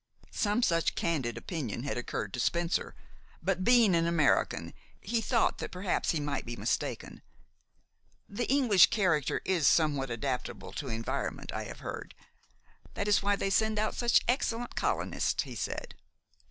Some such candid opinion had occurred to Spencer; but, being an American, he thought that perhaps he might be mistaken. "The English character is somewhat adaptable to environment, I have heard. That is why you send out such excellent colonists," he said.